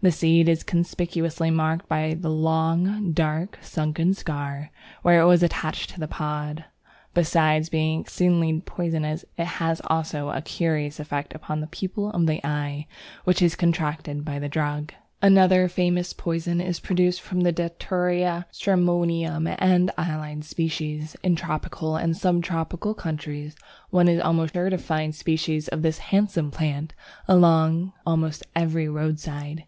The seed is conspicuously marked by the long, dark, sunken scar, where it was attached to the pod. Besides being exceedingly poisonous, it has also a curious effect upon the pupil of the eye, which is contracted by this drug. The pupil of the eye is enlarged by belladonna. Another famous poison is produced from Datura stramonium and allied species. In tropical and sub tropical countries, one is almost sure to find specimens of this handsome plant along almost every roadside.